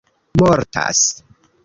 mortas